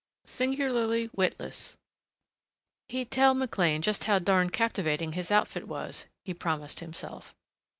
singularly witless. He'd tell McLean just how darned captivating his outfit was, he promised himself.